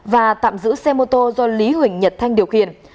và tạm giữ xe mô tô do lý huỳnh nhật thanh điều khiển